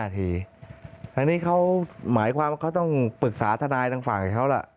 ทีนี้เขาหมายความต้องปรึกษาทนายทั้งฝั่งกับเขาล่ะ